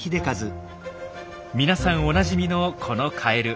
皆さんおなじみのこのカエル。